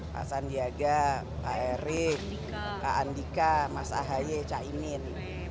pak sandiaga pak erik pak andika mas ahaye caimin